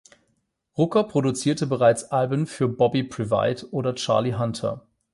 Rucker produzierte bereits Alben für Bobby Previte oder Charlie Hunter.